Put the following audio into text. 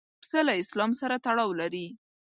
پسه له اسلام سره تړاو لري.